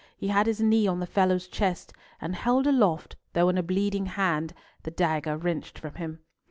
He had his knee on the fellow's chest, and held aloft, though in a bleeding hand, the dagger wrenched from him.